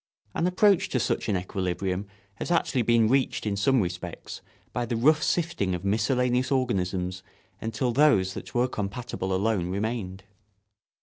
An approach to such an equilibrium has actually been reached in some respects by the rough sifting of miscellaneous organisms until those that were compatible alone remained.